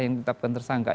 yang ditetapkan tersangka